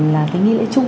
là cái nghi lễ chung